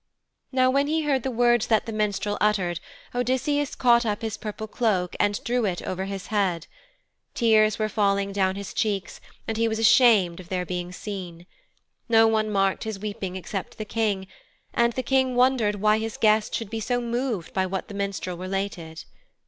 Now when he heard the words that the minstrel uttered, Odysseus caught up his purple cloak and drew it over his head. Tears were falling down his cheeks and he was ashamed of their being seen. No one marked his weeping except the King, and the King wondered why his guest should be so moved by what the minstrel related.